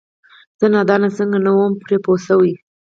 زه نادانه څنګه نه وم پرې پوه شوې؟!